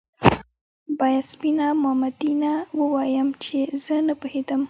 باید سپينه مامدينه ووايم چې زه نه پوهېدم